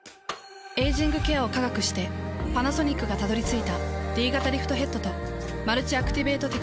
エイジングケアを科学してパナソニックがたどり着いたＤ型リフトヘッドとマルチアクティベートテクノロジー。